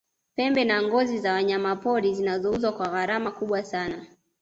pembe na ngozi wa wanyamapori zinauzwa kwa gharama kubwa sana